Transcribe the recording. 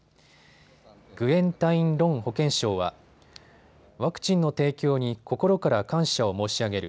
グエン・タイン・ロン保健相はワクチンの提供に心から感謝を申し上げる。